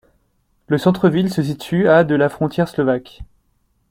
Le centre ville se situe à de la frontière slovaque.